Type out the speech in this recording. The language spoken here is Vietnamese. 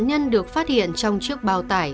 nạn nhân được phát hiện trong chiếc báo tài